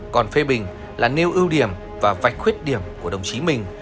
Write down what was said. còn phê bình là nêu ưu điểm và vạch khuyết điểm của đồng chí mình